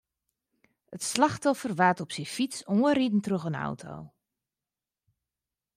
It slachtoffer waard op syn fyts oanriden troch in auto.